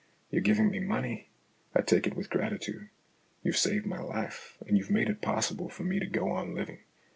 You're giving me money ; I take it with gratitude. You've saved my life, and you've made it possible for me to go on living.